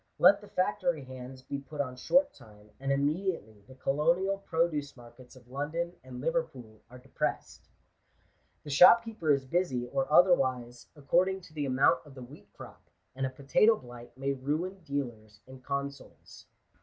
Let the factory hands be put on short time, and immediately the colonial produoe markets of London and Liverpool are depressed. The shop keeper is busy or otherwise, according to the amount of the wheat crop. And a potato blight may ruin dealers in con sols. Digitized by VjOOQIC GENERAL CONSIDERATIONS.